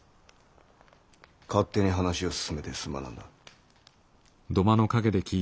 勝手に話を進めてすまなんだ。